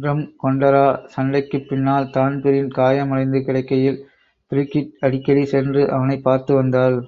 Drum கொண்டரா சண்டைக்குப்பின்னால் Dan Breen காயமடைந்து கிடக்கையில் பிரிகிட் அடிக்கடி சென்று அவனைப் பார்த்துவந்தாள்.